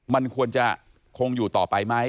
มันควรจะคงอยู่ต่อไปไหม